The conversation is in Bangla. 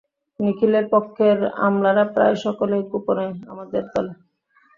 নিখিলের পক্ষের আমলারা প্রায় সকলেই গোপনে আমাদের দলে।